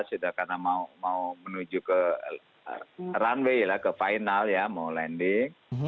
sudah karena mau menuju ke runway lah ke final ya mau landing